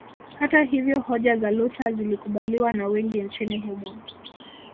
Hata hivyo hoja za Luther zilikubaliwa na wengi nchini humo